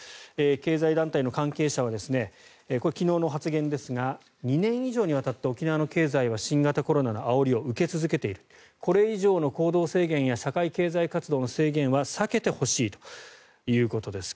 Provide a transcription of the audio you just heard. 経済団体の関係者は昨日の発言ですが２年以上にわたって沖縄の経済は新型コロナのあおりを受け続けているこれ以上の行動制限や社会経済活動の制限は避けてほしいということです。